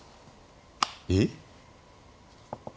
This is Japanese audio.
えっ？